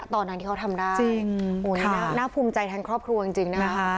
ตอนนั้นที่เขาทำได้น่าภูมิใจทางครอบครัวจริงนะคะ